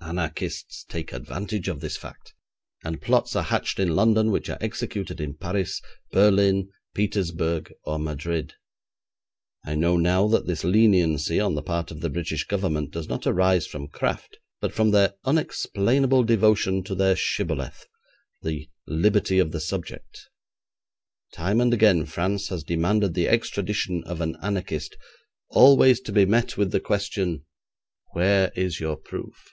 Anarchists take advantage of this fact, and plots are hatched in London which are executed in Paris, Berlin, Petersburg, or Madrid. I know now that this leniency on the part of the British Government does not arise from craft, but from their unexplainable devotion to their shibboleth 'The liberty of the subject.' Time and again France has demanded the extradition of an anarchist, always to be met with the question, 'Where is your proof?'